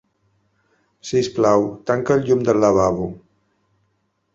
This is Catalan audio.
Sisplau, tanca el llum del lavabo.